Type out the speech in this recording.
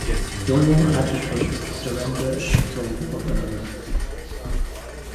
Doyle advocates the surrender of control of another.